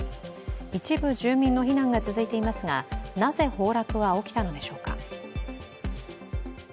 一部住民の避難が続いていますが、なぜ崩落は起きたのでしょうか。